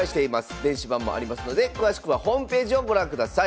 電子版もありますので詳しくはホームページをご覧ください。